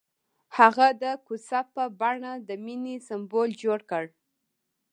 هغه د کوڅه په بڼه د مینې سمبول جوړ کړ.